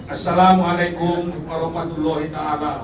assalamualaikum warahmatullahi wabarakatuh